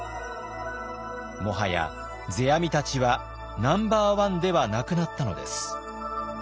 もはや世阿弥たちはナンバーワンではなくなったのです。